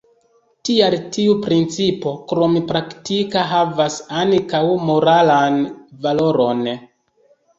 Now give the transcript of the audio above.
Tial tiu principo, krom praktika, havas ankaŭ moralan valoron.